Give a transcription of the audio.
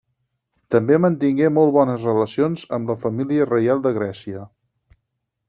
També mantingué molt bones relacions amb la família reial de Grècia.